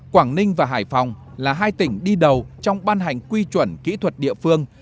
quảng ninh và hải phòng là hai tỉnh đi đầu trong ban hành quy chuẩn kỹ thuật địa phương